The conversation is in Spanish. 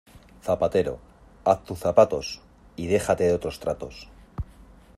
Zapatero, haz tus zapatos, y déjate de otros tratos.